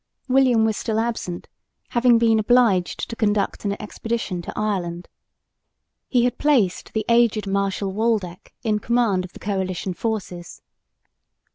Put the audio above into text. William was still absent, having been obliged to conduct an expedition to Ireland. He had placed the aged Marshal Waldeck in command of the Coalition forces.